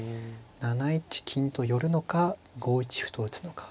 ７一金と寄るのか５一歩と打つのか。